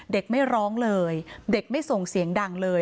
เด็กไม่ร้องเลยเด็กไม่ส่งเสียงดังเลย